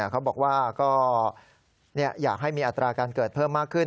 เขาบอกว่าก็อยากให้มีอัตราการเกิดเพิ่มมากขึ้น